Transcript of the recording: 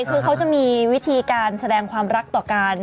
คือเขาจะมีวิธีการแสดงความรักต่อการ